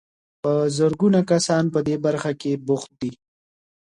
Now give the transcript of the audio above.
په زرګونه کسان په دې برخه کې بوخت دي.